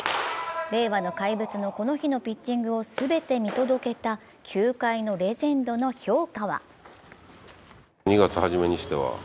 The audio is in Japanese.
令和の怪物のこの日のピッチングを全て見届けた球界のレジェンドの評価は？